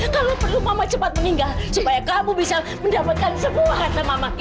kalau perlu mama cepat meninggal supaya kamu bisa mendapatkan semua harta mamaku